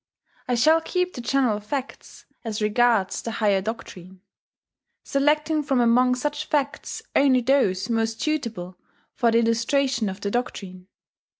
I shall keep to general facts as regards the higher doctrine, selecting from among such facts only those most suitable for the illustration of that doctrine.